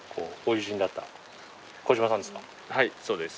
はいそうです。